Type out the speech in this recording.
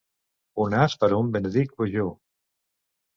Un as per en Benedict Bogeaus.